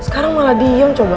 sekarang malah diem coba